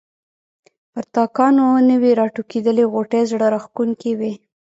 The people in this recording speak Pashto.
پر تاکانو نوي راټوکېدلي غوټۍ زړه راکښونکې وې.